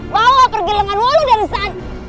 malah pergi lengan walu dari sana